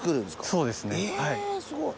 そうですねはい。